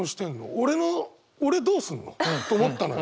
俺の俺どうすんの？と思ったのよ。